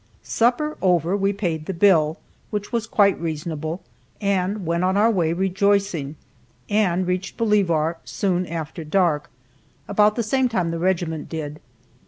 Supper over, we paid the bill, which was quite reasonable, and went on our way rejoicing, and reached Bolivar soon after dark, about the same time the regiment did.